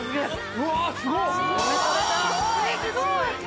うわすごっ！